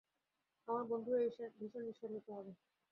আমার বন্ধুরা ভীষণ ঈর্ষান্বিত হবে।